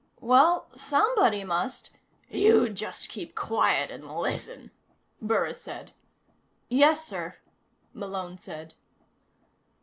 "Well, somebody must " "You just keep quiet and listen," Burris said. "Yes, sir," Malone said.